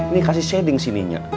nih kasih shading sininya